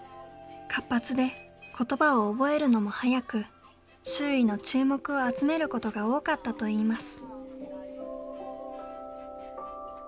活発で言葉を覚えるのも早く周囲の注目を集めることが多かったと言います。